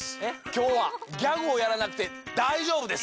きょうはギャグをやらなくてだいじょうぶです。